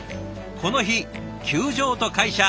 この日球場と会社